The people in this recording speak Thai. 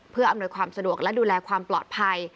เพื่ออำนวยความสะดวกและดูแลความปลอดภัย